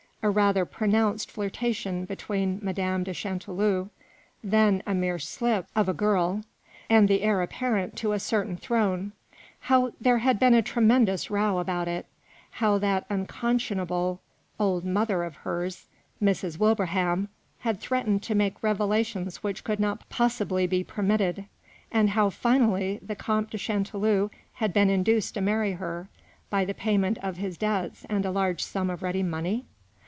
a rather pronounced flirtation between Madame de Chanteloup, then a mere slip of MADAME DE CHANTELOUP. II a girl, and the heir apparent to a certain throne ; how there had been a tremendous row about it ; how that unconscionable old mother of hers, Mrs. Wilbraham, had threatened to make revelations which could not possibly be permitted ; and how, finally, the Comte de Chanteloup had been induced to marry her by the payment of his debts and a large sum of ready money